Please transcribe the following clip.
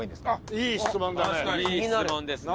いい質問ですね。